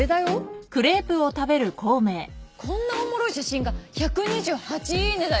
いやこんなおもろい写真が１２８イイネだよ。